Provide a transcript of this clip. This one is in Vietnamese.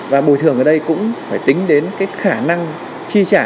và bồi thường ở đây cũng phải tính đến cái khả năng chi trả